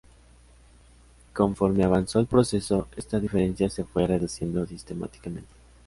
Conforme avanzó el proceso esta diferencia se fue reduciendo sistemáticamente.